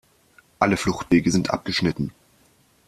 Alle Fluchtwege sind abgeschnitten.